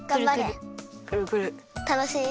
たのしい？